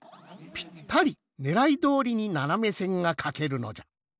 ぴったりねらいどおりにななめせんがかけるのじゃ。